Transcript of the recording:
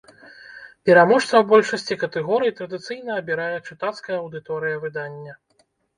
Пераможцаў большасці катэгорый традыцыйна абірае чытацкая аўдыторыя выдання.